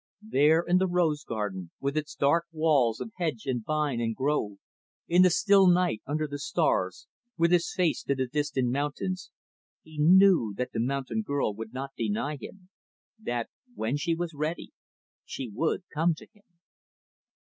There, in the rose garden, with its dark walls of hedge and vine and grove, in the still night under the stars, with his face to the distant mountains, he knew that the mountain girl would not deny him that, when she was ready, she would come to him.